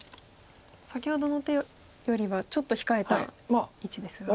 先ほどの手よりはちょっと控えた位置ですが。